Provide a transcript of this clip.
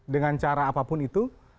dengan cara apapun itu